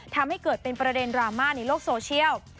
ทำให้เกิดเป็นประเด็นดราม่าในโลกโซเชียล